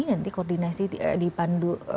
nanti koordinasi dipandu